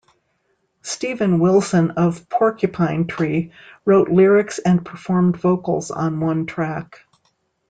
Steven Wilson of Porcupine Tree wrote lyrics and performed vocals on one track.